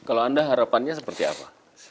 kalau anda harapannya seperti apa